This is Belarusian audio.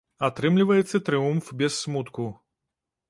Атрымліваецца трыумф без смутку.